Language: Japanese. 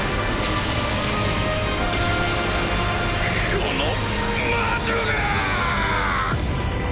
この魔女が！